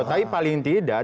tapi paling tidak